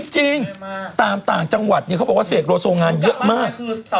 จริงตามต่างจังหวัดเขาบอกว่าเสกโลโซงานเยอะมาก